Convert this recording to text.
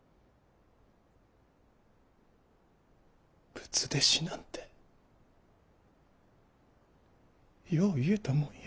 仏弟子なんてよう言うたもんや。